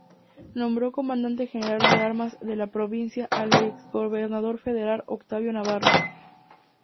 Nombró comandante general de armas de la provincia al ex gobernador federal Octaviano Navarro.